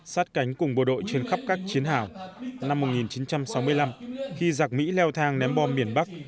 sát cánh cùng bộ đội trên khắp các chiến hào năm một nghìn chín trăm sáu mươi năm khi giặc mỹ leo thang ném bom miền bắc